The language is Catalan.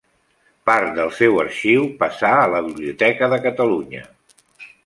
Part del seu arxiu passà a la Biblioteca de Catalunya.